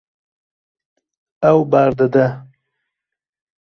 Ew berdide.